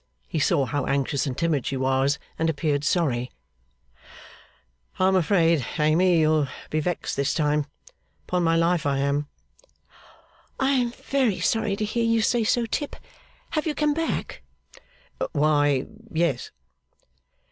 He saw how anxious and timid she was, and appeared sorry. 'I am afraid, Amy, you'll be vexed this time. Upon my life I am!' 'I am very sorry to hear you say so, Tip. Have you come back?' 'Why yes.